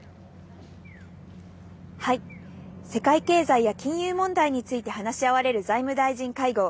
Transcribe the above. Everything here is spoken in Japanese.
世界経済や金融問題について話し合われる財務大臣会合。